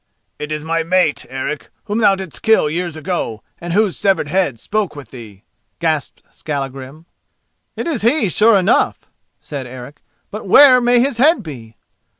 "It is my mate, Eric, whom thou didst kill years ago and whose severed head spoke with thee!" gasped Skallagrim. "It is he, sure enough!" said Eric; "but where may his head be?"